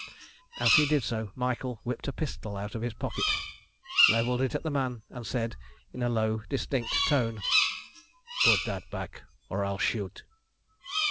As he did so Michael whipped a pistol out of his pocket, levelled it at the man, and said in a low, distinct tone "Put that back, or I'll shoot!"